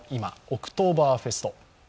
オクトーバーフェスト。